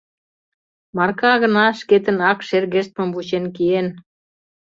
Марка гына шкетын ак шергештмым вучен киен.